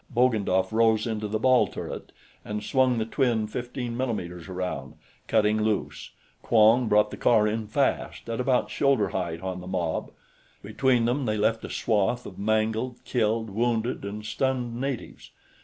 Bogdanoff rose into the ball turret and swung the twin 15 mm's around, cutting loose. Quong brought the car in fast, at about shoulder height on the mob. Between them, they left a swath of mangled, killed, wounded, and stunned natives.